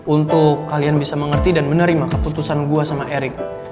untuk kalian bisa mengerti dan menerima keputusan gua sama erick